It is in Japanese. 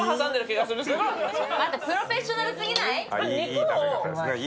プロフェッショナルすぎない？